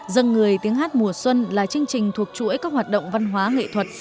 dân người tiếng hát mùa xuân là chương trình thuộc chuỗi các hoạt động văn hóa nghệ thuật